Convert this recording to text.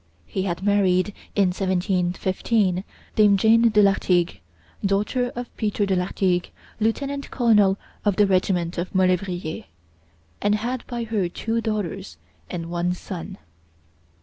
He had married, in 1715, dame Jane de Lartigue, daughter of Peter de Lartigue, lieutenant colonel of the regiment of Molevrier, and had by her two daughters and one son.